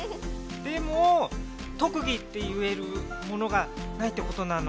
でも特技って言えるものがないってことなのかな？